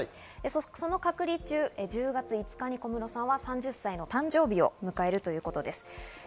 その隔離中、１０月５日に小室さんは３０歳の誕生日を迎えるということです。